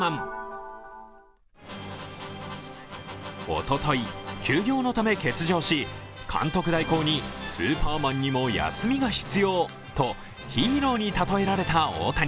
おととい、休養のため欠場し、監督代行にスーパーマンにも休みが必要とヒーローに例えられた大谷。